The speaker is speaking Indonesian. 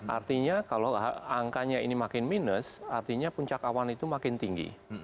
artinya kalau angkanya ini makin minus artinya puncak awan itu makin tinggi